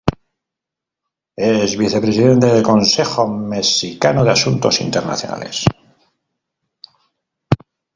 Es Vicepresidente del Consejo Mexicano de Asuntos Internacionales.